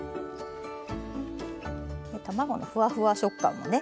卵のふわふわ食感もね